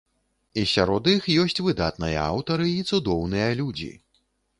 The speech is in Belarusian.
І сярод іх ёсць выдатныя аўтары і цудоўныя людзі.